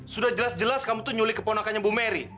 sudah jelas jelas kamu nyulik keponakan bu merry